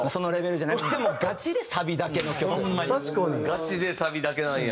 ガチでサビだけなんや。